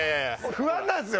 不安なんですよ